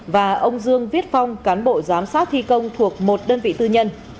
và ông dương viết phong cán bộ giám sát thi công thuộc một đơn vị tư nhân